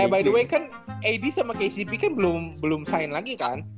by the way kan ad sama kcp kan belum sign lagi kan